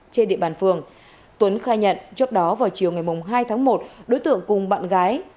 trên địa bàn phường tuấn khai nhận trước đó vào chiều ngày hai tháng một đối tượng cùng bạn gái